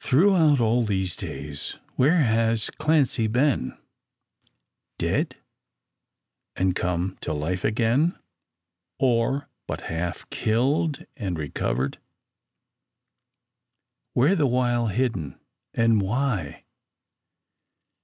Throughout all these days where has Clancy been? Dead, and come to life again? Or, but half killed and recovered? Where the while hidden? And why?